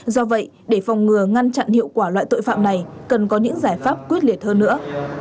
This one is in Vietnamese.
do vậy để phòng ngừa ngăn chặn hiệu quả loại tội phạm này cần có những giải pháp quyết liệt hơn nữa